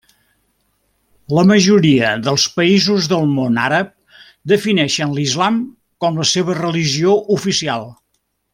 La majoria dels països del món àrab defineixen l'Islam com la seva religió oficial.